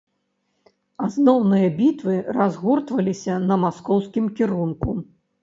Асноўныя бітвы разгортваліся на маскоўскім кірунку.